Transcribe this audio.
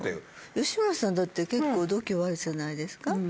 吉村さんだって結構度胸あるじゃないですか？